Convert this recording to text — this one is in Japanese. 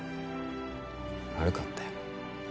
悪かったよ。